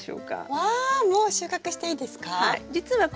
わもう収穫していいですか？